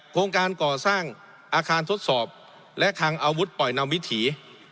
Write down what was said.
โครงการก่อสร้างอาคารทดสอบและคังอาวุธปล่อยนำวิถี